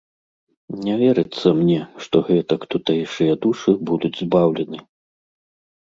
Не верыцца мне, што гэтак тутэйшыя душы будуць збаўлены.